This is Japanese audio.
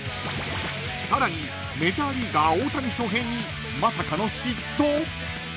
［さらにメジャーリーガー大谷翔平にまさかの嫉妬！？］